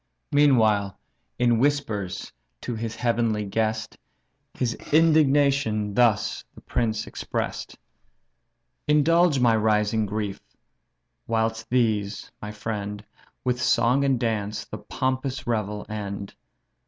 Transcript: Meanwhile, in whispers to his heavenly guest His indignation thus the prince express'd: "Indulge my rising grief, whilst these (my friend) With song and dance the pompous revel end.